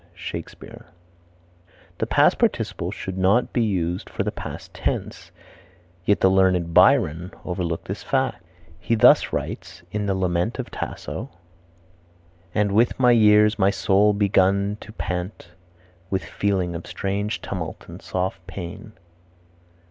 Shakespeare. The past participle should not be used for the past tense, yet the learned Byron overlooked this fact. He thus writes in the Lament of Tasso: "And with my years my soul begun to pant With feelings of strange tumult and soft pain."